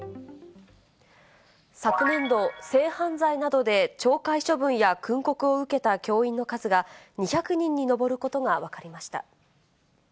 昨年度、性犯罪などで懲戒処分や訓告を受けた教員の数が２００人に上ることが分かりました。